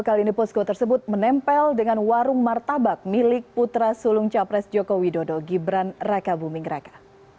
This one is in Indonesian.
kali ini posko tersebut menempel dengan warung martabak milik putra sulung capres joko widodo gibran raka buming raka